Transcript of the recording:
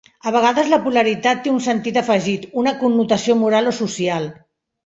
A vegades la polaritat té un sentit afegit, una connotació moral o social.